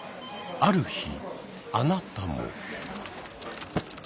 ある日あなたも。